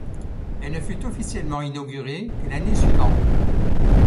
Elle ne fut officiellement inaugurée que l'année suivante.